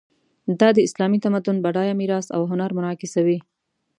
دا د اسلامي تمدن بډایه میراث او هنر منعکسوي.